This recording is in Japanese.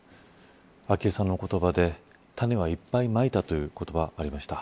昭恵さんの言葉で種はいっぱいまいたという言葉がありました。